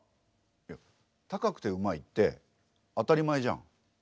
いや高くてうまいって当たり前じゃん。